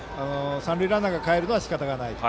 三塁ランナーがかえるのは仕方ないと。